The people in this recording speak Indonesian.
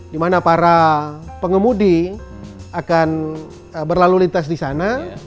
di mana para pengemudi akan berlalu lintas di sana